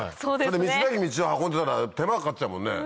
道なき道を運んでたら手間がかかっちゃうもんね。